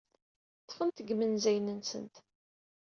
Ḍḍfent deg yimenzayen-nsent.